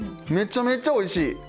めちゃめちゃおいしい！